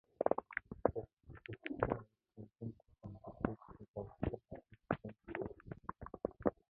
Эрх баригчид шилжилтийн үед бензин-цахилгаан гибрид технологи чухал гэдгийг хүлээн зөвшөөрдөг.